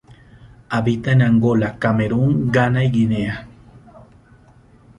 Habita en Angola, Camerún, Ghana y Guinea.